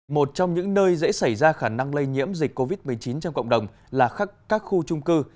một trong những nơi dễ xảy ra khả năng lây nhiễm dịch covid một mươi chín trong cộng đồng là các khu trung cư